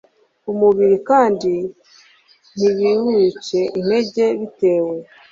umubiri kandi ntibiwuce intege bitewe